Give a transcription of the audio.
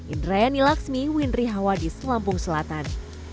indra yani laxmi windri hawadis lampung selatan